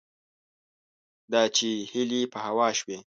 دا چې هیلې په هوا شوې